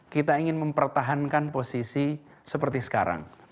kita ingin mempertahankan posisi seperti sekarang